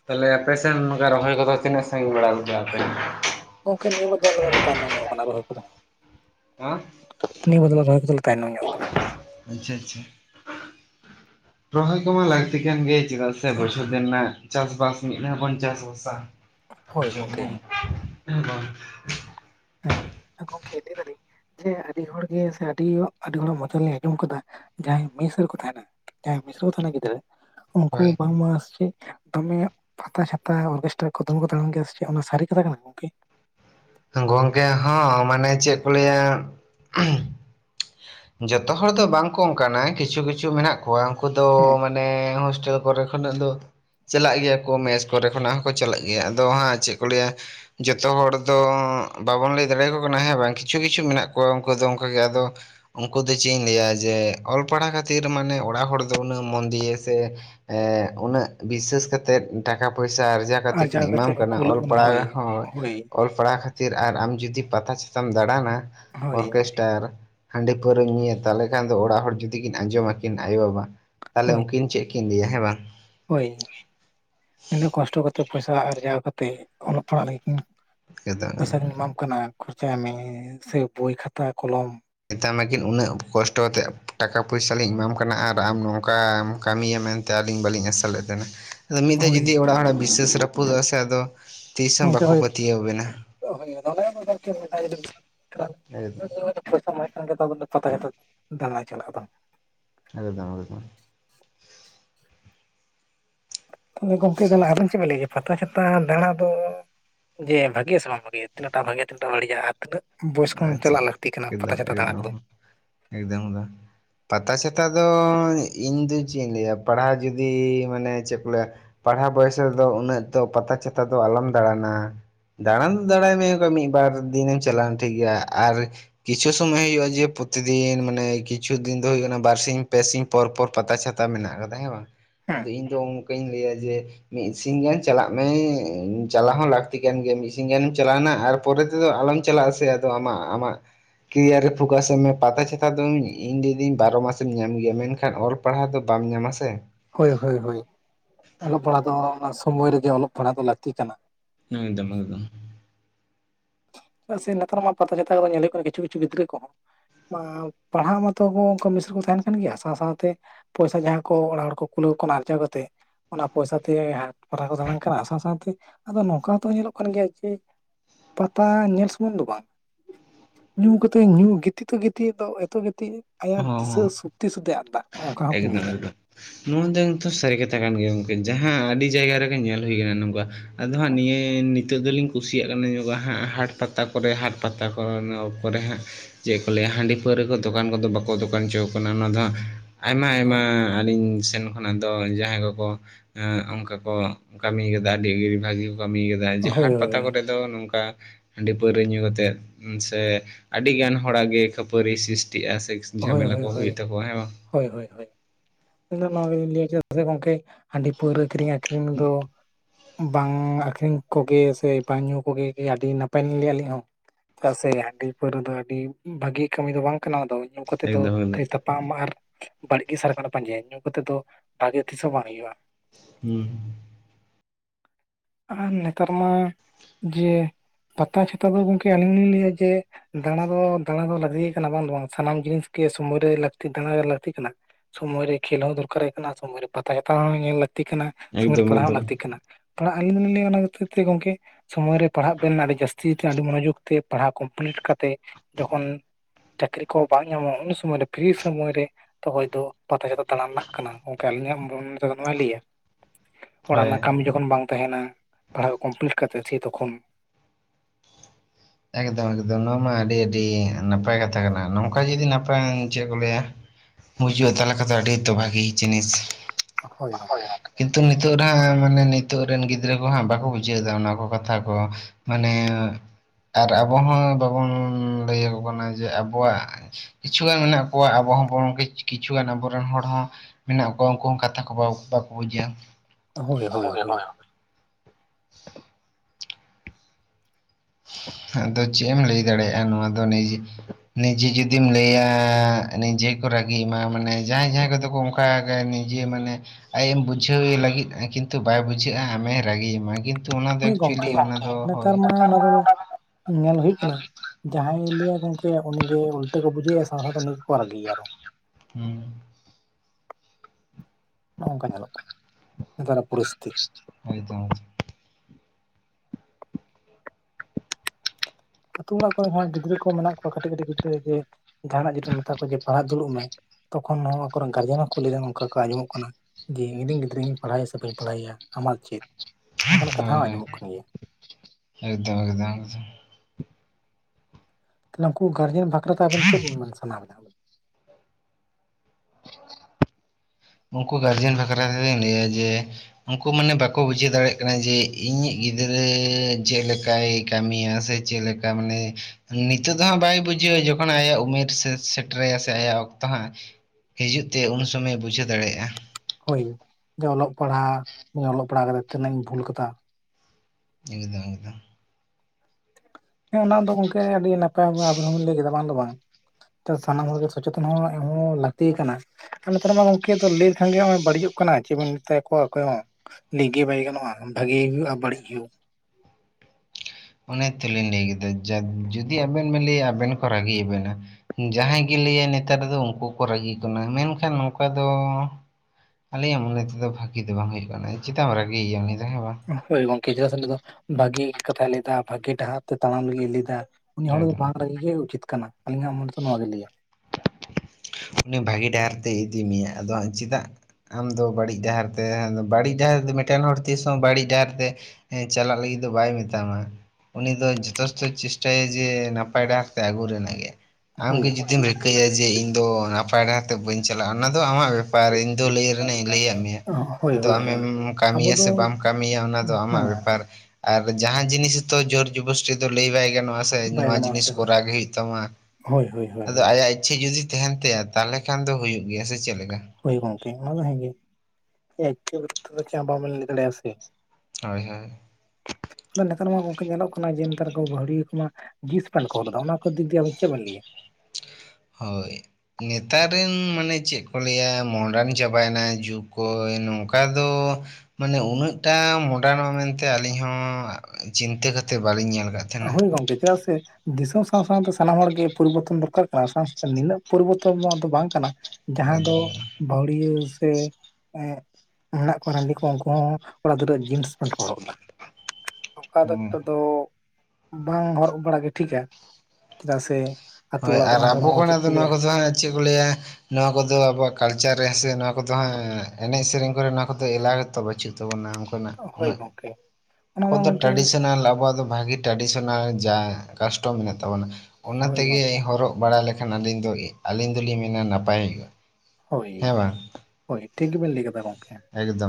ᱛᱟᱦᱞᱮ ᱟᱯᱮᱥᱱ ᱱᱚᱝᱠᱟ ᱨᱚᱦᱚᱭ ᱠᱚᱫᱚ ᱛᱤᱱᱟᱹᱜ ᱥᱟᱺᱜᱤᱧ ᱵᱟᱲᱟ ᱞᱮᱜᱮᱭᱟ ᱟᱯᱮ ᱜᱚᱝᱠᱮ ᱱᱤᱭᱟᱹ ᱵᱚᱫᱚᱞ ᱫᱚ ᱛᱟᱭᱚᱢᱱ ᱧᱚᱜ ᱠᱟᱱᱟ ᱵᱟᱹᱦᱩ ᱠᱚᱫᱚ ᱱᱤᱭᱟᱹ ᱠᱚᱫᱚᱞᱮ ᱨᱚᱦᱚᱭ ᱠᱚᱫᱚᱠᱮ ᱛᱟᱭᱱᱚᱢ ᱧᱚᱜ ᱠᱟᱱᱟ ᱟᱪᱪᱷᱟ ᱟᱪᱪᱷᱟ ᱨᱚᱦᱚᱭ ᱠᱚᱢᱟ ᱞᱟᱹᱠᱛᱤ ᱠᱟᱱ ᱜᱮ ᱪᱮᱫᱟᱜ ᱥᱮ ᱵᱚᱪᱷᱚᱨ ᱫᱤᱱ ᱨᱮᱱᱟᱜ ᱪᱟᱥ ᱵᱟᱟᱥ ᱢᱤᱫ ᱫᱷᱟᱣ ᱵᱚᱱ ᱪᱟᱥᱟ ᱦᱳᱭ ᱜᱚᱝᱠᱮ᱾ [unintelligible] ᱦᱩᱸ ᱟ ᱠᱷ ᱛ ᱛᱟᱞ [unintelligible] ᱡᱮ ᱟᱹᱰᱤ ᱦᱚᱲ ᱜᱮ ᱥᱮ ᱟᱹᱰᱤ ᱟᱹᱰᱤ ᱦᱚᱲ ᱢᱚᱪᱟ ᱨᱤᱧ ᱟᱸᱡᱚᱢ ᱠᱟᱫᱟ ᱡᱟᱦᱟᱸᱭ ᱢᱤᱥ ᱨᱮᱠᱚ ᱛᱟᱦᱮᱱᱟ ᱦᱮᱸ ᱵᱤᱨᱦᱚ ᱛᱷᱟᱱᱟ ᱜᱤᱫᱽᱨᱟᱹ ᱩᱱᱠᱩ ᱦᱳᱭ ᱵᱟᱝᱢᱟ ᱪᱮᱫ ᱫᱚᱢᱮ ᱯᱷᱟᱛᱟ ᱪᱷᱟᱛᱟ ᱚᱨᱠᱮᱥᱴᱨᱟ ᱠᱚ ᱫᱚᱢᱮ ᱠᱚ ᱫᱟᱬᱟᱱ ᱜᱮᱭᱟ ᱥᱮ ᱪᱮᱫ ᱚᱱᱟ ᱥᱟᱹᱨᱤ ᱠᱟᱛᱷᱟ ᱠᱟᱱᱟ ᱜᱚᱝᱠᱮ ᱜᱚᱝᱠᱮ ᱦᱚᱸ ᱢᱟᱱᱮ ᱪᱮᱫ ᱠᱚ ᱞᱟᱹᱭᱟ ᱡᱚᱛᱚ ᱦᱚᱲ ᱫᱚ ᱵᱟᱝ ᱠᱚ ᱚᱱᱠᱟᱱᱟ ᱠᱤᱪᱷᱩ ᱠᱤᱪᱷᱩ ᱢᱮᱱᱟᱜ ᱠᱚᱣᱟ ᱩᱱᱠᱩᱫᱚ ᱦᱮᱸ ᱢᱟᱱᱮ ᱦᱳᱥᱴᱮᱞ ᱠᱚᱨᱮ ᱠᱷᱚᱱᱟᱜ ᱫᱚ ᱪᱟᱞᱟᱜ ᱜᱮᱭᱟ ᱠᱚ ᱢᱮᱪᱴᱥ ᱠᱚᱨᱮ ᱠᱷᱚᱱᱟᱜ ᱦᱚᱸᱠᱚ ᱪᱟᱞᱟᱜ ᱜᱮᱭᱟ ᱟᱫᱚ ᱦᱟᱸᱜ ᱪᱮᱫ ᱠᱚ ᱞᱟᱹᱭᱟ ᱡᱚᱛᱚ ᱦᱚᱲ ᱫᱚ ᱵᱟᱵᱚᱱ ᱞᱟᱹᱭ ᱫᱟᱲᱮᱭᱟᱠᱚ ᱠᱟᱱᱟ ᱦᱮᱸ ᱵᱟᱝ ᱠᱤᱪᱷᱩ ᱠᱤᱪᱷᱩ ᱢᱮᱱᱟᱜ ᱠᱚᱣᱟ ᱩᱱᱠᱩ ᱫᱚ ᱚᱱᱠᱟᱜᱮ ᱟᱫᱚ ᱩᱝᱠᱩ ᱫᱚ ᱪᱮᱫ ᱤᱧ ᱞᱟᱹᱭᱟ ᱡᱮ ᱚᱞ ᱯᱟᱲᱦᱟᱣ ᱠᱷᱟᱹᱛᱤᱨ ᱢᱟᱱᱮ ᱚᱲᱟᱜ ᱦᱚᱲ ᱫᱚ ᱩᱱᱟᱹᱜ ᱢᱚᱱ ᱫᱤᱭᱮ ᱥᱮ ᱮᱸᱜᱩᱱᱟᱹᱜ ᱵᱤᱥᱟᱹᱮᱥ ᱠᱟ ᱠᱟᱛᱮᱮᱫ ᱴᱟᱠᱟ ᱯᱚᱭᱥᱟ ᱟᱨᱡᱟᱣ ᱠᱟᱛᱮ ᱠᱤᱱ ᱮᱢᱟᱢ ᱠᱚ ᱠᱟᱱᱟ ᱠᱩᱞᱟᱹᱜ ᱚᱞ ᱵᱚᱱᱟ ᱯᱟᱲᱦᱟᱣ ᱦᱳᱭ ᱨᱮᱦᱚᱸ ᱦᱳᱭ ᱚᱞ ᱯᱟᱲᱦᱟᱣ ᱠᱷᱟᱹᱛᱤᱨ ᱟᱨ ᱟᱢ ᱡᱩᱫᱤ ᱯᱟᱛᱟ ᱪᱷᱟᱛᱢ ᱫᱟᱬᱟᱱᱟ ᱦᱳᱭ᱾ ᱚᱨᱠᱮᱥᱴ ᱟᱨ ᱦᱟᱺᱰᱤ ᱯᱟᱹᱣᱨᱟᱹ ᱧᱩᱭᱟ ᱛᱟᱦᱞᱮ ᱠᱷᱟᱱ ᱫᱚ ᱚᱲᱟᱜ ᱦᱚᱲ ᱡᱩᱫᱤ ᱠᱤᱱ ᱟᱸᱡᱚᱢᱟᱠᱤᱱ ᱟᱭᱳ ᱵᱟᱵᱟ ᱛᱟᱦᱞᱮ ᱦᱳᱭ ᱩᱝᱠᱤᱱ ᱪᱮᱫ ᱠᱤᱱ ᱞᱟᱹᱭᱟ ᱦᱮᱸ ᱵᱟᱝ ᱦᱳᱭ ᱱᱤᱱᱟᱹᱜ ᱠᱚᱥᱴᱚ ᱠᱟᱛᱮᱮᱫ ᱯᱚᱭᱥᱟ ᱟᱨᱡᱟᱣ ᱠᱟᱛᱮᱫ ᱚᱞᱚᱜ ᱯᱟᱲᱦᱟᱜ ᱞᱟᱹᱜᱤᱫ ᱠᱤᱱ ᱮᱠᱫᱚᱢ ᱮᱠᱫᱚᱢ ᱯᱚᱭᱥᱟᱞᱤᱧ ᱮᱢᱟᱢ ᱠᱟᱱᱟ ᱠᱷᱚᱨᱪᱟᱭ ᱢᱮ ᱥᱮ ᱵᱳᱭ ᱠᱷᱟᱛᱟ ᱠᱚᱞᱚᱢ ᱢᱮᱛᱟᱢ ᱟᱹᱠᱤᱱ ᱩᱱᱟᱹᱜ ᱠᱚᱥᱴᱚ ᱟᱛᱮᱫ ᱴᱟᱠᱟ ᱯᱚᱭᱥᱟ ᱞᱤᱧ ᱮᱢᱟᱢ ᱠᱟᱱᱟ ᱟᱨ ᱟᱢ ᱱᱚᱝᱠᱟᱢ ᱠᱟᱹᱢᱤᱭᱟ ᱢᱮᱱᱛᱮ ᱛᱮ ᱟᱹᱞᱤᱧ ᱵᱟᱟᱹᱞᱤᱧ ᱟᱥᱟ ᱞᱮᱫ ᱛᱟᱦᱮᱱᱟ ᱟᱫᱚ ᱢᱤᱫ ᱫᱷᱟᱣ ᱦᱳᱭ ᱡᱩᱫᱤ ᱚᱲᱟᱜ ᱦᱚᱲᱟᱜ ᱵᱤᱥᱟᱹᱮᱥ ᱨᱟᱹᱯᱩᱫᱚᱜ-ᱟ ᱥᱮ ᱟᱫᱚ ᱛᱤᱥ ᱦᱚᱸ ᱜᱚᱝᱠᱮ ᱵᱟᱠᱚ ᱦᱳᱭ ᱯᱟᱹᱛᱭᱟᱹᱣᱟᱵᱮᱱᱟ ᱮᱠᱫᱚᱢ [unintelligible] ᱯᱟᱛᱟ ᱠᱟᱛᱮᱫ ᱫᱟᱬᱟᱭ ᱪᱟᱞᱟᱜᱼᱟ ᱵᱟᱝ ᱮᱠᱫᱚᱢ ᱮᱠᱫᱚᱢ ᱛᱟᱦᱞᱮ ᱜᱚᱝᱠᱮ ᱛᱟᱦᱞᱮ ᱟᱵᱮᱱ ᱪᱮᱫ ᱵᱮᱬ ᱞᱟᱹᱭ ᱜᱮᱭᱟ ᱯᱟᱛᱟ ᱪᱷᱟᱛᱟ ᱫᱮᱬᱟ ᱫᱚ ᱡᱮ ᱵᱷᱟᱹᱜᱮᱭᱟ ᱥᱮ ᱵᱟᱝ ᱵᱷᱟᱹᱜᱮᱭᱟ ᱛᱤᱱᱟᱹᱜ ᱴᱟ ᱵᱷᱟᱜᱮᱭᱟ, ᱛᱤᱱᱟᱹᱜᱟᱢ ᱵᱟᱹᱲᱤᱡᱼᱟ ᱟᱨ ᱛᱤᱱᱟᱹᱜ ᱵᱚᱭᱮᱥ ᱠᱚ ᱟᱪᱪᱷᱟ ᱪᱟᱞᱟᱜ ᱞᱟᱹᱠᱛᱤ ᱠᱟᱱᱟ ᱯᱟᱛᱟ ᱮᱠᱫᱚᱢ ᱪᱷᱟᱛᱟ ᱫᱟᱬᱟ ᱮᱠᱫᱚᱢ ᱠᱚᱫᱚ ᱮᱠᱫᱚᱢ ᱫᱚ ᱯᱟᱛᱟ ᱪᱷᱟᱛᱟ ᱫᱚ ᱤᱧᱫᱚ ᱪᱮᱫ ᱤᱧ ᱞᱟᱹᱭᱟ ᱯᱟᱲᱦᱟᱣ ᱡᱩᱫᱤ ᱢᱟᱱᱮ ᱪᱮᱫ ᱠᱚ ᱞᱟᱹᱭᱟ ᱯᱟᱲᱦᱟᱣ ᱵᱚᱭᱚᱥ ᱨᱮᱫᱚ ᱩᱱᱟᱹᱜ ᱫᱚ ᱯᱟᱛᱟ ᱪᱷᱟ ᱱᱮᱛᱟᱨ ᱫᱚ ᱟᱞᱚᱢ ᱫᱟᱬᱟᱱᱟ ᱫᱟᱬᱟᱱ ᱫᱚ ᱫᱟᱬᱟᱭ ᱢᱮ ᱢᱤᱫ ᱵᱟᱨ ᱫᱤᱱᱮᱢ ᱪᱟᱞᱟᱣᱮᱱᱟ ᱴᱷᱤᱠ ᱜᱮᱭᱟ ᱟᱨ ᱠᱤᱪᱷᱩ ᱥᱩᱚᱢᱚᱭ ᱦᱩᱭᱩᱜ-ᱟ ᱡᱮ ᱯᱨᱚᱛᱤᱫᱤᱱ ᱢᱟᱱᱮ ᱠᱤᱪᱷᱩ ᱫᱤᱱ ᱫᱚ ᱦᱩᱭᱩᱜ ᱠᱟᱱᱟ ᱵᱟᱨᱥᱤᱧ ᱯᱮ ᱥᱤᱧ ᱯᱚᱨ ᱯᱚᱨ ᱯᱟᱛᱟ ᱪᱷᱟᱛᱟ ᱢᱮᱱᱟᱜ ᱟᱠᱟᱫᱟ ᱦᱮᱸ ᱵᱟᱝ ᱦᱮᱸ ᱟᱫᱚ ᱤᱧ ᱫᱚ ᱚᱝᱠᱟᱧ ᱞᱟᱹᱭᱟ ᱡᱮ ᱢᱤᱫ ᱥᱤᱧ ᱜᱟᱱ ᱪᱟᱞᱟᱜ ᱢᱮ ᱪᱟᱞᱟᱣ ᱦᱚᱸ ᱞᱟᱹᱠᱛᱤ ᱠᱟᱱᱜᱮᱭᱟ ᱢᱤᱫ ᱥᱤᱧ ᱜᱟᱱᱮᱢ ᱪᱟᱞᱟᱣᱱᱟ ᱟᱨ ᱯᱚᱨᱮ ᱛᱮᱫᱚ ᱟᱞᱚᱢ ᱪᱟᱞᱟᱜᱼᱟ ᱥᱮ ᱠᱨᱤᱭᱟᱨ ᱫᱚ ᱟᱢᱟᱜ ᱟᱢᱟᱜ ᱠᱮᱨᱤᱭᱟᱨ ᱨᱮ ᱯᱷᱳᱠᱟᱥ ᱮᱢ ᱢᱮ ᱯᱟᱛᱟ ᱪᱷᱟᱛᱟ ᱫᱚ ᱤᱧ ᱞᱟᱹᱭᱫᱟᱹᱧ ᱵᱟᱨᱚ ᱢᱟᱥ ᱧᱟᱢ ᱜᱮᱭᱟ ᱢᱮᱱᱠᱷᱟᱱ ᱚᱞ ᱯᱟᱲᱦᱟᱣ ᱫᱚ ᱵᱟᱢ ᱧᱟᱢᱟ ᱥᱮ ᱦᱚᱭ ᱦᱚᱭ ᱦᱚᱭ ᱚᱞᱚᱜ ᱯᱟᱲᱦᱟᱜ ᱫᱚ ᱚᱱᱟ ᱥᱚᱢᱚᱭ ᱨᱮᱜᱮ ᱚᱞᱚᱜ ᱯᱟᱲᱦᱟᱜ ᱫᱚ ᱞᱟᱹᱠᱛᱤ ᱠᱟᱱᱟ᱾ ᱮᱠᱫᱚᱢ ᱮᱠᱫᱚᱢ᱾ ᱥᱮ ᱱᱮᱛᱟᱨ ᱢᱟ ᱯᱟᱛᱟᱷᱟᱛᱟ ᱠᱚ ᱧᱮᱞ ᱠᱟᱱᱟ ᱠᱤᱪᱷᱩ ᱠᱤᱪᱷᱩ ᱜᱤᱫᱽᱨᱟᱹ ᱠᱚᱦᱚᱸ ᱯᱟᱲᱦᱟᱜ ᱢᱟᱛᱚ ᱠᱚᱢᱤᱥ ᱨᱮᱠᱚ ᱛᱟᱦᱮᱱ ᱠᱟᱱ ᱜᱮᱭᱟ ᱥᱟᱶ-ᱥᱟᱶᱛᱮ ᱯᱚᱭᱥᱟ ᱡᱟᱦᱟᱸ ᱠᱚ ᱚᱲᱟᱜ ᱦᱚᱲ ᱠᱚ ᱠᱩᱞᱟᱹᱣ ᱠᱟᱱᱟ ᱟᱨᱡᱟᱣ ᱠᱟᱛᱮᱫ, ᱚᱱᱟ ᱯᱚᱭᱥᱟ ᱛᱮ ᱦᱟᱴ ᱯᱟᱨᱟ ᱠᱚ ᱫᱟᱬᱟᱱ ᱠᱟᱱᱟ ᱥᱟᱶ ᱥᱟᱶᱛᱮ ᱟᱫᱚ ᱱᱚᱝᱠᱟ ᱛᱮᱦᱚᱸ ᱧᱮᱞᱚᱜ ᱠᱟᱱ ᱜᱮᱭᱟ ᱡᱮ ᱯᱟᱛᱟ ᱧᱮᱞ ᱥᱩᱢᱩᱱᱝ ᱫᱚ ᱵᱟᱝ ᱧᱩ ᱠᱟᱛᱮᱫ ᱧᱩ ᱜᱤᱛᱤᱡ ᱛᱚ ᱜᱤᱛᱤᱡ ᱫᱚ ᱮᱛᱚ ᱜᱤᱛᱤᱡ ᱟᱭᱟᱜ ᱦᱚᱸ ᱫᱤᱥᱟᱹ ᱦᱚᱸ ᱥᱚᱛᱤ ᱥᱩᱛᱮᱷᱤ ᱟᱜ ᱚᱱᱠᱟ ᱦᱚᱸᱠᱚ ᱮᱠᱫᱚᱢ ᱢᱤᱫᱟ ᱮᱠᱫᱚᱢ ᱱᱚᱣᱟ ᱫᱚ ᱱᱤᱛ ᱥᱟᱹᱨᱤ ᱠᱟᱛᱷᱟ ᱠᱟᱱ ᱜᱮᱭᱟ ᱜᱚᱢᱠᱮ ᱡᱟᱦᱟᱸ ᱟᱹᱰᱤ ᱡᱟᱭᱜᱟ ᱨᱮᱜᱮ ᱧᱮᱞ ᱦᱩᱭ ᱠᱟᱱᱟ ᱱᱚᱝᱠᱟ ᱟᱫᱚ ᱱᱤᱭᱟᱹ ᱱᱤᱛ ᱱᱤᱛᱚᱜ ᱫᱚᱞᱤᱧ ᱠᱩᱥᱤᱭᱟᱜ ᱠᱟᱱᱟ ᱧᱚᱜᱼᱟ ᱦᱟᱸᱜ ᱦᱟᱴ ᱯᱟᱛᱟ ᱠᱚᱨᱮ ᱦᱟᱴ ᱯᱟᱛᱟ ᱠᱚᱨᱮ ᱠᱚᱨᱮ ᱦᱟᱸᱜ ᱪᱮᱫ ᱠᱚ ᱞᱟᱹᱭᱟ ᱦᱟᱺᱰᱤ ᱯᱟᱹᱣᱨᱟᱹ ᱫᱚᱠᱟᱱ ᱠᱚᱫᱚ ᱵᱟᱠᱚ ᱠᱚ ᱫᱚᱠᱟᱱ ᱪᱚ ᱟᱠᱟᱱᱟ ᱚᱱᱟ ᱫᱚ ᱟᱭᱢᱟ ᱟᱭᱢᱟ ᱦᱳᱭ ᱟᱹᱞᱤᱧ ᱥᱮᱱ ᱠᱷᱚᱱᱟᱜ ᱫᱚ ᱡᱟᱦᱟᱸᱭ ᱠᱚᱠᱚ ᱚᱱᱠᱟ ᱠᱚ ᱠᱟᱹᱢᱤᱭ ᱠᱟᱫᱟ ᱟᱹᱰᱤ ᱵᱷᱟᱜᱤ ᱠᱚ ᱠᱟᱹᱢᱤ ᱡᱟᱦᱟ ᱦᱳᱭ ᱦᱟᱸᱴ ᱯᱟᱛᱟ ᱠᱚᱨᱮ ᱫᱚ ᱱᱚᱝᱠᱟ ᱦᱟᱺᱰᱤ ᱯᱟᱹᱣᱨᱟᱹ ᱧᱩ ᱠᱟᱛᱮᱫ ᱥᱮ ᱟᱹᱰᱤ ᱜᱟᱱ ᱦᱚᱲᱟᱜ ᱜᱮ ᱠᱷᱟᱹᱯᱟᱹᱨᱤ ᱥᱨᱤᱥᱴᱤᱜᱼᱟ, ᱥᱮ ᱦᱚᱭ ᱡᱷᱟᱢᱮᱞᱟ ᱦᱚᱭ ᱠᱚ ᱦᱩᱭᱩᱜ ᱛᱟᱠᱚᱣᱟ ᱦᱮᱸ ᱵᱟᱝ ᱦᱚᱭ᱾ ᱦᱚᱭ ᱦᱚᱭ ᱤᱧᱫᱚ ᱱᱚᱣᱟ ᱜᱤᱧ ᱞᱟᱹᱭᱟ ᱪᱮᱫ ᱪᱟᱜ ᱥᱮ ᱜᱚᱝᱠᱮ ᱦᱟᱺᱰᱤ ᱯᱟᱹᱣᱨᱟᱹ ᱠᱤᱨᱧ ᱟᱠ ᱮᱠᱷᱮᱱ ᱫᱚ ᱵᱟᱝ ᱟᱠᱷᱨᱤᱧ ᱠᱚᱜᱮ ᱥᱮ ᱵᱟᱝ ᱧᱩ ᱠᱚᱜᱮ ᱟᱹᱰᱤ ᱱᱟᱯᱟᱭᱞᱤᱤᱧ ᱞᱟᱹᱭᱟ ᱟᱹᱞᱤᱧ ᱦᱚᱸ ᱪᱮᱫᱟᱜ ᱥᱮ ᱦᱟᱺᱰᱤ ᱯᱟᱹᱣᱨᱟᱹ ᱫᱚ ᱟᱹᱰᱤ ᱵᱷᱟᱹᱜᱤ ᱠᱟᱹᱢᱤ ᱫᱚ ᱵᱟᱝ ᱠᱟᱱᱟ, ᱟᱫᱚ ᱠᱚᱛᱮ ᱫᱚ ᱮᱠᱫᱚᱢ ᱮᱠᱫᱚᱢ ᱠᱷᱟᱹᱞᱤ ᱛᱟᱯᱟᱢ ᱟᱨ ᱵᱟᱲᱜᱤ ᱜᱮ ᱥᱟᱨᱟᱠᱷ ᱯᱟᱸᱡᱟᱭᱟ ᱧᱩ ᱠᱚᱛᱮ ᱫᱚ ᱵᱷᱟᱜᱤ ᱛᱤᱥ ᱦᱚᱸ ᱵᱟᱝ ᱦᱩᱭᱩᱜᱼᱟ᱾ ᱦᱩᱸᱻ ᱟᱨ ᱱᱮᱛᱟᱨ ᱢᱟ ᱡᱮ ᱯᱟᱛᱟ ᱪᱷᱟᱛᱟ ᱫᱚ ᱜᱚᱢᱠᱮ ᱟᱹᱞᱤᱧ ᱞᱤᱧ ᱞᱟᱹᱭᱟ ᱡᱮ ᱫᱟᱬᱟ ᱫᱚ ᱫᱟᱬᱟ ᱫᱚ ᱞᱟᱹᱠᱛᱤ ᱠᱟᱱᱟ ᱵᱟᱝ ᱫᱚ ᱵᱟᱝ ᱥᱟᱱᱟᱢ ᱡᱤᱱᱤᱥ ᱜᱮ ᱥᱚᱢᱚᱭ ᱨᱮ ᱞᱟ ᱞᱟᱹᱠᱛᱤ ᱠᱟᱱᱟ᱾ ᱥᱚᱢᱚᱭ ᱨᱮ ᱠᱷᱮᱞ ᱦᱚᱸ ᱫᱚᱨᱠᱟᱨ ᱠᱟᱱᱟ ᱥᱚᱢᱚᱭ ᱨᱮ ᱯᱟᱛᱟ ᱦᱟᱛᱟ ᱦᱚᱸ ᱧᱮᱞ ᱞᱟᱹᱠᱛᱤ ᱠᱟᱱᱟ, ᱥᱚᱢᱚᱭ ᱨᱮ ᱮᱠᱫᱚᱢ ᱯᱟᱲᱦᱟᱣ ᱦᱚᱸ ᱮᱠᱫᱚᱢ ᱞᱟᱹᱠᱛᱤ ᱠᱟᱱᱟ᱾ ᱛᱷᱚᱲᱟ ᱞᱟᱹᱞᱤᱧ ᱫᱚᱞᱤᱧ ᱞᱟᱹᱭᱟ ᱚᱱᱟ ᱠᱷᱟᱹᱛᱤᱨ ᱛᱮ ᱜᱚᱝᱠᱮ ᱥᱚᱢᱚᱭ ᱨᱮ ᱯᱟᱲᱦᱟᱜ ᱵᱮᱱ ᱟᱹᱰᱤ ᱡᱟᱹᱥᱛᱤ ᱟᱹᱰᱤ ᱢᱚᱱᱚᱡᱳᱜᱽ ᱛᱮ ᱯᱟᱲᱦᱟᱣ ᱠᱚᱢᱯᱤᱞᱤᱴ ᱠᱟᱛᱮᱫ ᱡᱚᱠᱷᱚᱱ ᱪᱟᱹᱠᱨᱤ ᱠᱚᱦᱚᱸ ᱵᱟᱝ ᱧᱟᱢᱚᱜ ᱩᱱ ᱥᱚᱢᱚᱭ ᱨᱮ ᱯᱷᱨᱤ ᱥᱚᱢᱚᱭ ᱨᱮ ᱛᱠᱚᱭ ᱫᱚ ᱯᱟᱛᱟ ᱪᱷᱟᱛᱟ ᱫᱟᱬᱟᱱ ᱨᱮᱱᱟᱜᱱᱟᱜ ᱠᱟᱱᱟ ᱟᱹᱞᱤᱧᱟᱜ ᱢᱚᱱ ᱱᱚᱜᱚᱭ ᱞᱟᱹᱭᱟ ᱚᱲᱟᱜ ᱨᱮᱱᱟᱜ ᱦᱳᱭ ᱠᱟᱹᱢᱤ ᱡᱚᱠᱷᱚᱱ ᱵᱟᱝ ᱛᱟᱦᱮᱱᱟ ᱯᱟᱲᱦᱟᱣ ᱠᱚᱢᱯᱞᱤᱤᱴ ᱠᱟᱛᱮ ᱥᱮ ᱛᱚᱠᱷᱚᱱ ᱮᱠᱫᱚᱢ ᱮᱠᱫᱚᱢ ᱱᱚᱣᱟ ᱢᱟ ᱟᱹᱰᱤ ᱟᱹᱰᱤ ᱱᱟᱯᱟᱭ ᱠᱟᱛᱷᱟ ᱠᱟᱱᱟ, ᱱᱚᱝᱠᱟ ᱡᱩᱫᱤ ᱱᱟᱯᱟᱭ ᱪᱮᱫ ᱠᱚ ᱞᱟᱹᱭᱟ, ᱵᱩᱡᱩᱜᱼᱟ ᱛᱟᱦᱞᱮ ᱠᱷ ᱟᱹᱰᱤᱛᱚ ᱵᱷᱟᱹᱜᱤ ᱡᱤᱱᱤᱥ ᱦᱳᱭ ᱜᱚᱝᱠᱮ ᱠᱤᱱᱛᱩ ᱱᱤᱛᱚᱜ ᱦᱟᱜ ᱢᱟᱱᱮ ᱱᱤᱛᱚᱜ ᱨᱮᱱ ᱜᱤᱫᱽᱨᱟᱹ ᱠᱚᱦᱟᱸᱜ ᱵᱟᱠᱚ ᱵᱩᱡᱷᱟᱹᱣ ᱫᱟ ᱚᱱᱟ ᱠᱚ ᱠᱟᱛᱷᱟ ᱠᱚ᱾ ᱢᱟᱱᱮ ᱟᱨ ᱟᱵᱚ ᱦᱚᱸ ᱵᱟᱵᱚᱱ ᱞᱟᱹᱭᱟ ᱠᱚ ᱠᱟᱱᱟ ᱡᱮ ᱟᱵᱚᱣᱟᱜ ᱠᱤᱪᱷᱩᱜᱟᱱ ᱢᱮᱱᱟᱜ ᱠᱚᱣᱟ ᱟᱵᱚ ᱦᱚᱸ ᱠᱤᱪᱷᱟᱱ ᱟᱵᱚᱨᱮᱱ ᱦᱚᱲ ᱦᱚᱸ ᱢᱮᱱᱟᱜ ᱠᱚᱣᱟ ᱩᱱᱠᱩ ᱦᱚᱸ ᱠᱟᱛᱷᱟ ᱠᱚ ᱵᱟᱠᱚ ᱵᱩᱡᱟ᱾ ᱦᱚᱭ ᱦᱚᱭ ᱦᱳᱭ ᱦᱚᱭ᱾ ᱦᱳᱭ [unintelligible] [unintelligible] ᱟᱫᱚ ᱪᱮᱫ ᱮᱢ ᱞᱟᱹᱭ ᱫᱟᱲᱮᱭᱟᱜᱼᱟ? ᱱᱚᱣᱟ ᱫᱚ ᱱᱤᱡᱮ ᱱᱤᱡᱮ ᱡᱩᱫᱤᱢ ᱞᱟᱹᱭᱟ ᱱᱤᱡᱮ ᱠᱚ ᱨᱟᱹᱜᱤ ᱭᱟᱢᱟ ᱢᱟᱱᱮ ᱡᱟᱦᱟᱸᱭ ᱡᱟᱦᱟᱸᱭ ᱠᱚᱫᱚ ᱠᱚ ᱚᱱᱠᱟ ᱚᱱᱠᱟᱜᱮ ᱱᱤᱡᱮ ᱢᱟᱱᱮ ᱟᱢ ᱵᱩᱡᱷᱟᱹᱣ ᱞᱟᱹᱜᱤᱫ ᱠᱤᱱᱛᱩ ᱵᱟᱭ ᱵᱩᱡᱷᱟᱹᱜᱼᱟ ᱟᱢᱮ ᱨᱟᱹᱜᱤᱭᱟᱢᱟ ᱠᱤᱱᱛᱩ ᱚᱱᱟ ᱦᱳᱭ ᱫᱚᱠᱪᱤ ᱜᱚᱝᱠᱮ ᱚᱱᱟ ᱫᱚ ᱦᱳᱭ ᱱᱮᱛᱟᱨ ᱢᱟ ᱚᱱᱟ ᱠᱚᱫᱚ ᱧᱮᱞ ᱦᱩᱭᱩᱜ ᱠᱟᱱᱟ ᱡᱟᱦᱟᱸᱭᱮ ᱞᱟᱹᱭᱟ ᱜᱚᱝᱠᱮ ᱩᱱᱤᱜᱮ ᱩᱞᱴᱟᱹ ᱠᱚ ᱵᱩᱡᱷᱟᱹᱭᱟ ᱥᱟᱶ ᱥᱟᱶᱛᱮ ᱩᱱᱤ ᱜᱮᱠᱚ ᱨᱟᱹᱜᱤᱭᱟᱠᱚ ᱦᱩᱸ᱾ ᱱᱚᱜᱼ ᱱᱚᱝᱠᱟ ᱧᱮᱞᱚᱜ ᱠᱟᱱᱟ᱾ ᱱᱮᱛᱟᱨᱟᱜ ᱯᱚᱨᱤᱥᱛᱷᱤᱛᱤ ᱦ [unintelligible] ᱟᱛᱳ ᱚᱲᱟᱜ ᱠᱚᱨᱮ ᱜᱤᱫᱽᱨᱟᱹ ᱠᱚ ᱢᱮᱱᱟᱜ ᱠᱚᱣᱟ ᱠᱟᱹᱴᱤᱡ ᱠᱟᱹᱴᱤᱡ ᱜᱤᱫᱽᱨᱟᱹ ᱡᱮ ᱡᱟᱦᱟᱱᱟᱜ ᱡᱮᱴ ᱢᱮᱛᱟ ᱠᱚᱣᱟ ᱡᱮ ᱯᱟᱲᱦᱟᱜ ᱫᱩᱲᱩᱵ ᱢᱮ, ᱛᱚᱠᱷᱚᱱ ᱦᱚᱸ ᱟᱠᱚᱨᱮᱱ ᱜᱟᱨᱡᱮᱱ ᱦᱚᱸ ᱠᱚ ᱞᱟᱹᱭ ᱫᱟ ᱱᱚᱝᱠᱟ ᱠᱚ ᱟᱸᱡᱚᱢᱚᱜ ᱠᱟᱱᱟ᱾ ᱡᱮ ᱤᱧ ᱨᱮᱱ ᱜᱤᱫᱽᱨᱟᱹᱧ ᱯᱟᱲᱦᱟᱭᱟ ᱥᱮ ᱵᱟᱹᱧ ᱯᱟᱲᱦᱟᱭᱮᱟ ᱟᱢᱟᱜ ᱪᱮᱫ ᱱᱚᱝᱠᱟᱱᱟᱜ ᱠᱟᱛᱷᱟ ᱦᱳᱭ ᱦᱚᱸ ᱦᱳᱭ ᱟᱸᱡᱚᱢᱚᱜ ᱠᱟᱱ ᱜᱮᱭᱟ ᱮᱠᱫᱚᱢ ᱮᱠᱫᱚᱢ ᱛᱟᱦᱚᱞᱮ ᱩᱱᱠᱩ ᱜᱟᱨᱡᱮᱱ ᱵᱟᱠᱷᱨᱟᱛᱮ ᱟᱵᱮᱱ ᱪᱮᱫ ᱢᱮᱢᱮᱱ ᱥᱟᱱᱟ ᱵᱤᱱᱟ? ᱩᱱᱠᱩ ᱜᱟᱨᱡᱮᱱ ᱵᱟᱠᱷᱨᱟ ᱛᱮᱫᱚᱧ ᱞᱟᱹᱭᱟ᱾ ᱡᱮ ᱩᱱᱠᱩ ᱢᱟᱱᱮ ᱵᱟᱠᱚ ᱵᱩᱡᱷᱟᱹᱣ ᱫᱟᱲᱮᱭᱟᱜ ᱠᱟᱱᱟ ᱡᱮ ᱤᱧᱟᱹᱜ ᱜᱤᱫᱽᱨᱟᱹ ᱪᱮᱫ ᱞᱮᱠᱟᱭ ᱠᱟᱹᱢᱤᱭᱟ ᱥᱮ ᱪᱮᱫ ᱞᱮᱠᱟ ᱢᱟᱱᱮ ᱱᱤᱛᱚᱜ ᱫᱚ ᱦᱟᱸᱜ ᱵᱟᱭ ᱵᱩᱡᱷᱟᱹᱣᱟ ᱡᱚᱠᱷᱚᱱ ᱟᱭᱟᱜ ᱩᱢᱮᱨ ᱥᱮᱴᱮᱨ ᱥᱮ ᱥᱮᱴᱮᱨᱟᱭᱟ ᱥᱮ ᱟᱭᱟᱜ ᱚᱠᱛᱚ ᱦᱟᱸᱜ ᱦᱤᱡᱩᱜ ᱛᱮ ᱩᱱ ᱥᱚᱢᱚᱭ ᱮ ᱵᱩᱡᱷᱟᱹᱣ ᱫᱟᱲᱮᱭᱟᱜᱼᱟ᱾ ᱦᱳᱭ ᱡᱮ ᱚᱞᱚᱜ ᱯᱟᱲᱦᱟᱜ ᱚᱞᱚᱜ ᱯᱟᱲᱦᱟᱣ ᱠᱟᱛᱮᱜ ᱛᱤᱱᱟᱹᱜ ᱤᱧ ᱵᱷᱩᱞ ᱠᱟᱫᱟ? [unintelligible] ᱦᱮᱸ ᱚᱱᱟ ᱫᱚ ᱜᱚᱝᱠᱮ ᱟᱹᱰᱤ ᱱᱟᱯᱟᱭ [unintelligible] ᱟᱹᱵᱤᱱ ᱦᱚᱸᱵᱤᱱ ᱞᱟᱹᱭ ᱠᱮᱫᱟ ᱵᱟᱝ ᱫᱚ ᱵᱟᱝ᱾ ᱥᱟᱱᱟᱢ ᱦᱚᱲᱜᱮ ᱥᱚᱪᱮᱛᱚᱱ ᱦᱚᱸ ᱮᱢ ᱦᱚᱸ ᱞᱟᱹᱠᱛᱤ ᱠᱟᱱᱟ᱾ ᱱᱮᱛᱟᱨ ᱢᱟ ᱜᱚᱝᱠᱮ ᱞᱟᱹᱭ ᱠᱷᱟᱱᱜᱮ ᱱᱚᱜᱚᱭ ᱵᱟᱹᱲᱤᱡᱚᱜ ᱠᱟᱱᱟ ᱪᱮᱫ ᱵᱤᱱ ᱢᱮᱛᱟ ᱠᱚᱣᱟ ᱚᱠᱚᱭ ᱦᱚᱸ ᱾ ᱞᱟᱹᱭ ᱜᱮ ᱵᱟᱭ ᱜᱟᱱᱚᱜᱼᱟ, ᱵᱷᱟᱜᱤ ᱦᱩᱭᱩᱜ ᱟᱨ ᱵᱟᱹᱲᱤᱡ ᱦᱩᱭᱩᱜ᱾ ᱚᱱᱮ ᱛᱮᱞᱤᱧ ᱞᱟᱹᱭ ᱠᱮᱫᱟ ᱠᱟᱜ ᱡᱩᱫᱤ ᱟᱵᱮᱱ ᱵᱮᱱ ᱞᱟᱹᱭᱟ ᱟᱵᱮᱱ ᱠᱚ ᱨᱟᱹᱜᱤ ᱟᱵᱤᱱᱟ ᱡᱟᱦᱟᱸᱭ ᱜᱮ ᱞᱟᱹᱟᱭ ᱱᱮᱛᱟᱨ ᱫᱚ ᱩᱱᱠᱩ ᱠᱚ ᱨᱟᱹᱜᱤᱜ ᱠᱟᱱᱟ ᱢᱮᱱᱠᱷᱟᱱ ᱱᱚᱝᱠᱟ ᱫᱚ ᱟᱹᱞᱤᱧᱟᱜ ᱢᱚᱱᱮ ᱛᱮᱫᱚ ᱵᱷᱟᱹᱜᱤ ᱫᱚ ᱵᱟᱝ ᱦᱩᱭᱩᱜ ᱠᱟᱱᱟ ᱪᱮᱜᱟᱜ ᱮᱢ ᱨᱟᱹᱜᱤᱭᱟᱭᱟ ᱩᱱᱤ ᱫᱚ ᱦᱮᱸ ᱵᱟᱝ ᱦᱳᱭ ᱜᱚᱝᱠᱮ ᱪᱮᱫᱟᱜ ᱥᱮ ᱱᱤᱛᱚᱜ ᱫᱚ ᱵᱷᱟᱹᱜᱤ ᱠᱟᱛᱷᱟᱭ ᱞᱟᱹᱭᱮᱫᱟ, ᱵᱷᱟᱹᱜᱤ ᱰᱟᱦᱟᱨ ᱛᱮ ᱛᱟᱲᱟᱢ ᱞᱟᱹᱜᱤᱫ ᱮ ᱞᱟᱹᱭᱮᱫᱟ᱾ ᱩᱱᱤ ᱦᱚᱲ ᱫᱚ ᱮᱠᱫᱚᱢ ᱵᱟᱝ ᱨᱟᱹᱜᱤ ᱜᱮ ᱩᱪᱤᱛ ᱠᱟᱱᱟ ᱟᱹᱞᱤᱧᱟᱜ ᱢᱚᱱᱮ ᱫᱚ ᱱᱚᱣᱟ ᱜᱮ ᱞᱟᱹᱭᱟᱭ ᱾ [unintelligible] ᱩᱱᱤ ᱵᱷᱟᱹᱜᱤ ᱰᱟᱦᱟᱨ ᱛᱮᱭ ᱤᱫᱤ ᱢᱮᱭᱟ᱾ ᱟᱫᱚ ᱦᱟᱸᱜ ᱪᱮᱫᱟᱜ ᱟᱢᱫᱚ ᱵᱟᱹᱲᱤᱡ ᱰᱟᱦᱟᱨ ᱛᱮ ᱵᱟᱹᱲᱤᱡ ᱰᱟᱦᱟᱨ ᱛᱮ ᱢᱤᱫᱴᱮᱱ ᱦᱚᱲ ᱛᱤᱥ ᱦᱚᱸ ᱵᱟᱹᱲᱤᱡ ᱰᱟᱦᱟᱨ ᱛᱮ ᱦᱮᱸ ᱪᱟᱞᱟᱜ ᱞᱟᱹᱜᱤᱫ ᱫᱚ ᱵᱟᱭ ᱢᱮᱛᱟᱢᱟ ᱾ ᱩᱱᱤ ᱫᱚ ᱡᱚᱛᱷᱮᱥᱥᱚ ᱪᱮᱥᱴᱟᱭᱟ ᱡᱮ ᱱᱟᱯᱟᱭ ᱰᱟᱦᱟᱨ ᱛᱮ ᱟᱹᱜᱩ ᱨᱮᱱᱟᱜ ᱜᱮ ᱾ ᱦᱳᱭ ᱟᱢᱜᱮ ᱡᱩᱫᱤᱢ ᱨᱤᱠᱟᱹᱭᱟ ᱡᱮ ᱤᱧ ᱫᱚ ᱱᱟᱯᱟᱭ ᱰᱟᱦᱟᱨ ᱛᱮ ᱵᱟᱹᱧ ᱪᱟᱞᱟᱜᱼᱟ᱾ ᱚᱱᱟ ᱫᱚ ᱟᱢᱟᱜ ᱵᱮᱯ ᱟᱨ ᱤᱧ ᱫᱚ ᱞᱟᱹᱭ ᱨᱮᱱᱟᱜ ᱤᱧ ᱞᱟᱹᱭᱟᱫ ᱢᱮᱭᱟ᱾ ᱦᱳᱭ ᱟᱫᱚ ᱦᱳᱭ ᱦᱳᱭ ᱟᱢᱮᱢ ᱟᱵᱚ ᱠᱟᱹᱢᱤᱭᱟ ᱫᱚ ᱥᱮ ᱵᱟᱢ ᱠᱟᱹᱢᱤᱭᱟ ᱚᱱᱟ ᱫᱚ ᱟᱢᱟᱜ ᱦᱮᱸ ᱵᱮᱯᱟᱨ᱾ ᱟᱨ ᱡᱟᱦᱟᱸ ᱡᱤᱱᱤᱥ ᱛᱚ ᱡᱳᱨ ᱡᱚᱵᱚᱥᱴᱤ ᱫᱚ ᱞᱟᱹᱭ ᱵᱟᱭ ᱜᱟᱱᱚᱜᱼᱟ ᱾ ᱵᱟᱭ ᱱᱚᱣᱟ ᱜᱟᱱᱚᱜᱼᱟ ᱡᱤᱱᱤᱥ ᱥᱮ ᱦᱳᱭ ᱠᱚᱨᱟᱣ ᱜᱮ ᱦᱩᱭᱩᱜ ᱛᱟᱢᱟ ᱦᱳᱭ ᱦᱳᱭ ᱦᱳᱭ ᱟᱫᱚ ᱦᱳᱭ ᱟᱭᱟᱜ ᱤᱪᱪᱷᱟᱹ ᱡᱩᱫᱤ ᱛᱮᱦᱮᱱ ᱛᱟᱭᱟ ᱛᱟᱦᱮᱞᱮ ᱠᱷᱟᱱ ᱫᱚ ᱦᱩᱭᱩᱜ ᱜᱮᱭᱟ ᱥᱮ ᱪᱮᱫ ᱞᱮᱠᱟ? ᱦᱳᱭ ᱜᱚᱝᱠᱮ ᱚᱱᱟ ᱫᱚ ᱦᱮᱸᱜᱮ [inaudible] ᱵᱟᱵᱮᱱ ᱞᱟᱹᱭ ᱫᱟᱲᱮᱭᱟᱜᱼᱟ ᱥᱮ ᱾ ᱦᱳᱭ ᱦᱳᱭ ᱾ [unintelligible] ᱱᱮᱛᱟᱨ ᱢᱟ ᱜᱚᱝᱠᱮ ᱧᱮᱞᱚᱜ ᱠᱟᱱᱟ ᱡᱮ ᱱᱮᱛᱟᱨ ᱠᱚ ᱵᱟᱹᱦᱩᱲᱤᱭᱟᱹ ᱠᱚᱢᱟ ᱡᱤᱱᱥ ᱯᱮᱱᱴ ᱠᱚ ᱦᱚᱨᱚᱜᱫᱟ᱾ ᱚᱱᱟ ᱠᱚ ᱫᱤᱠ ᱫᱤᱭᱮ ᱟᱵᱤᱱ ᱪᱮᱫ ᱵᱤᱱ ᱞᱟᱹᱭᱟ? ᱦᱳᱭ ᱾ ᱱᱮᱛᱟᱨ ᱨᱮᱱ ᱢᱟᱱᱮ ᱪᱮᱫ ᱠᱚ ᱞᱟᱹᱭᱟ ᱢᱚᱰᱟᱨᱱ ᱪᱟᱵᱟᱭᱮᱱᱟ ᱡᱩᱜᱽ ᱠᱚᱭ ᱱᱚᱝᱠᱟ ᱫᱚ ᱾ ᱢᱟᱱᱮ ᱩᱱᱟᱹᱜᱴᱟ ᱢᱚᱰᱟᱨᱱᱚᱜ-ᱟ ᱢᱮᱱᱛᱮ ᱟᱹᱞᱤᱧ ᱦᱚᱸ ᱪᱤᱱᱛᱟᱹ ᱠᱟᱛᱮᱫ ᱵᱟᱹᱞᱤᱧ ᱧᱮᱞ ᱠᱟᱜ-ᱟ᱾ ᱦᱳᱭ ᱜᱚᱢᱠᱮ ᱪᱮᱫᱟᱜ ᱥᱮ ᱫᱤᱥᱚᱢ ᱥᱟᱶ ᱥᱟᱶᱛᱮ ᱥᱟᱱᱟᱢ ᱦᱚᱲᱜᱮ ᱯᱚᱨᱤᱵᱚᱨᱛᱚᱱ ᱫᱚᱨᱠᱟᱨ ᱠᱟᱱᱟ᱾ ᱥᱟᱶ ᱥᱟᱶᱛᱮ ᱱᱤᱱᱟᱹᱜ ᱯᱚᱨᱤᱵᱚᱨᱛᱚᱱ ᱫᱚ ᱵᱟᱝ ᱠᱟᱱᱟ᱾ ᱡᱟᱦᱟᱸ ᱟᱫᱚ ᱫᱚ ᱵᱟᱣᱲᱤᱭᱟᱹ ᱥᱮ ᱮ ᱢᱮᱱᱟᱜ ᱠᱚᱣᱟ ᱨᱟᱺᱰᱤ ᱠᱚᱸᱦᱚ ᱩᱱᱠᱩ ᱦᱚᱸ ᱚᱲᱟᱜ ᱫᱩᱣᱟᱹᱨ ᱨᱮ ᱡᱤᱱᱥ ᱯᱮᱱᱴ ᱠᱚ ᱦᱚᱨᱚᱜ ᱮᱫᱟ ᱾ ᱚᱠᱟ ᱫᱚ ᱦᱤᱛᱚᱜ ᱫᱚ ᱵᱟᱝ ᱦᱚᱨᱚᱜ ᱵᱟᱲᱟᱜ ᱜᱮ ᱴᱷᱤᱠᱟ ᱪᱮᱫᱟᱜ ᱥᱮ ᱟᱛᱳ ᱦᱳᱭ ᱚᱲᱟᱜ ᱟᱨ ᱠᱚᱨᱮᱱ ᱦᱚᱲ ᱟᱵᱚ ᱦᱚᱸ ᱪᱮᱫ ᱠᱚᱱᱟᱜ ᱫᱚ ᱠᱚ ᱱᱚᱣᱟ ᱞᱟᱹᱭᱟ ᱠᱚᱫᱚ ᱦᱟᱸᱜ ᱪᱮᱫ ᱠᱚ ᱞᱟᱹᱭᱟ ᱾ ᱱᱚᱣᱟ ᱠᱚᱫᱚ ᱟᱵᱚᱣᱟᱜ ᱠᱟᱞᱪᱟᱨ ᱨᱮ ᱦᱮᱸ ᱥᱮ ᱱᱚᱣᱟ ᱠᱚᱫᱚ ᱦᱸᱟᱜ ᱮᱱᱮᱡ ᱥᱮᱨᱮᱧ ᱠᱚᱨᱮ ᱱᱚᱣᱟ ᱠᱚᱫᱚ ᱱᱚᱣᱟ ᱠᱚᱫᱚ ᱮᱞᱟᱣ ᱜᱮᱛᱚ ᱵᱟᱹᱪᱩᱜ ᱛᱟᱵᱚᱱᱟ ᱦᱳᱭ ᱩᱱᱟᱹᱜ ᱜᱚᱝᱠᱮ ᱚᱱᱟ ᱦᱚᱭ ᱢᱟ ᱛᱚ ᱜᱚᱝᱠᱮ ᱴᱨᱟᱰᱤᱥᱚᱱᱟᱞ ᱟᱵᱚᱣᱟᱜ ᱫᱚ ᱵᱷᱟᱜᱤ ᱾ ᱴᱨᱟᱰᱤᱥᱚᱱᱟᱞ ᱡᱟ ᱠᱟᱥᱴᱚᱢ ᱢᱮᱱᱟᱜ ᱛᱟᱵᱚᱱᱟ ᱦᱳᱭ ᱚᱱᱟᱛᱮᱜᱮ ᱜᱚᱝᱠᱮ ᱦᱚᱨᱚᱜ ᱵᱟᱲᱟ ᱞᱮᱠᱷᱟᱱ ᱟᱹᱞᱤᱧ ᱫᱚ ᱟᱹᱞᱤᱧ ᱫᱚᱞᱤᱧ ᱢᱮᱱᱟ ᱱᱟᱯᱟᱭ ᱦᱩᱭᱩᱜᱼᱟ᱾ ᱦᱳᱭ ᱦᱮᱸ ᱵᱟᱝ ᱦᱳᱭ ᱴᱷᱤᱠ ᱜᱮᱵᱮᱱ ᱞᱟᱹᱭ ᱠᱟᱫᱟ ᱜᱚᱢᱠᱮ᱾ ᱮᱠᱫᱚᱢ᱾